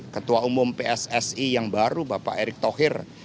ketua umum pssi yang baru bapak erick thohir